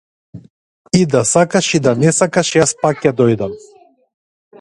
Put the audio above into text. И да сакаш и да не сакаш јас пак ќе дојдам.